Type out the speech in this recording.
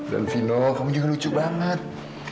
dan vino kamu juga lucu banget